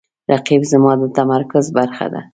رقیب زما د تمرکز برخه ده